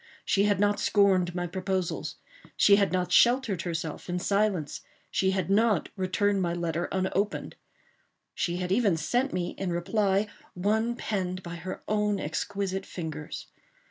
She had not scorned my proposals. She had not sheltered herself in silence. She had not returned my letter unopened. She had even sent me, in reply, one penned by her own exquisite fingers.